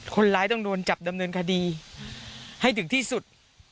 คนร้ายต้องโดนจับดำเนินคดีให้ถึงที่สุด